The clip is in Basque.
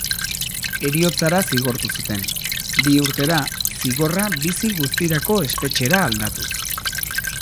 Heriotzara zigortu zuten, bi urtera zigorra bizi guztirako espetxera aldatuz.